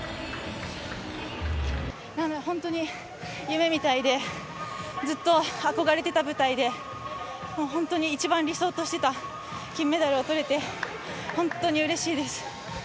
本当に夢みたいで、ずっと憧れてた舞台で、もう本当に、一番理想としてた金メダルをとれて、本当にうれしいです。